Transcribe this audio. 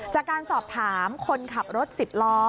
จากการสอบถามคนขับรถ๑๐ล้อ